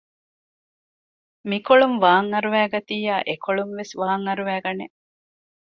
މިކޮޅުން ވާން އަރުވައިގަތިއްޔާ އެކޮޅުން ވެސް ވާން އަރުވައި ގަނެ